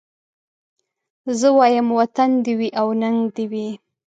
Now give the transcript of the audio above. زه وايم وطن دي وي او ننګ دي وي